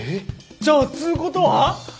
じゃあつことは？